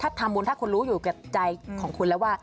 ถ้าทำบุญถ้าคุณรู้อยู่กับใจของคุณแล้วว่า